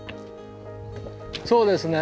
そうですね。